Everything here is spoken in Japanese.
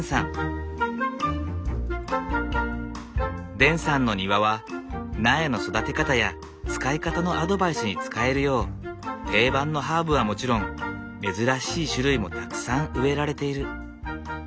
デンさんの庭は苗の育て方や使い方のアドバイスに使えるよう定番のハーブはもちろん珍しい種類もたくさん植えられている。